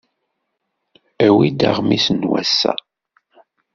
Awi-d aɣmis n wass-a!